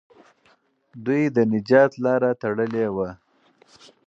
دوی د نجات لاره تړلې وه.